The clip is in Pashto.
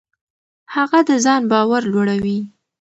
هغه د ځان باور لوړوي.